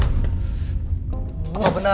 kalau vulgar nak penulis